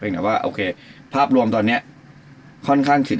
เปลี่ยนกับว่าโอเคภาพรวมตอนเนี้ยค่อนข้างถือ